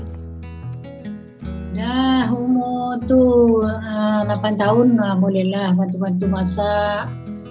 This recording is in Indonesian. sudah umur delapan tahun bolehlah bantu bantu masak